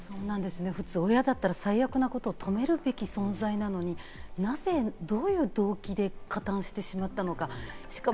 普通、親だったら最悪なことを止めるべき存在なのに、なぜ、どういう動機で加担してしまったのか。